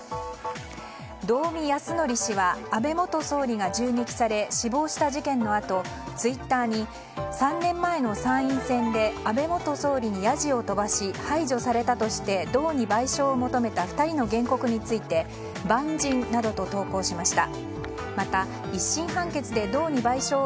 道見泰憲氏は安倍元総理が銃撃され死亡した事件のあとツイッターに３年前の参院選で安倍元総理にヤジを飛ばし排除されたとして道に賠償を求めた２人の原告に対して蛮人などと投稿しました。